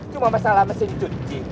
cuma masalah mesin cuci